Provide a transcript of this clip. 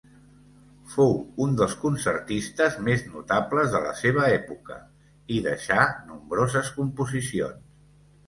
Fou un dels concertistes més notables de la seva època, i deixà nombroses composicions.